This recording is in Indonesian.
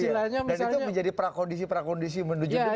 dan itu menjadi prakondisi prakondisi menuju kembang